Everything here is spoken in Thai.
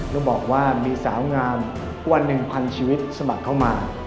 ต้องบอกว่ามีสาวงามกว่า๑๐๐ชีวิตสมัครเข้ามา